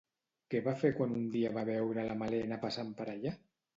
Què va fer quan un dia va veure la Malena passant per allà?